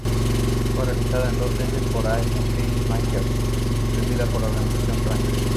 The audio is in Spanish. Fue realizada en dos meses por Allied Film Makers, y distribuida por Organización Rank.